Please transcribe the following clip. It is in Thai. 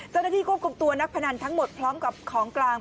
เจ้าหน้าที่ควบคุมตัวนักพนันทั้งหมดพร้อมกับของกลาง